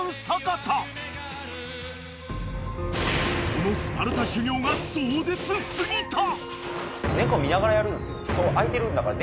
［そのスパルタ修業が壮絶過ぎた！］